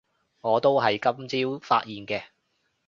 我都係今朝發現嘅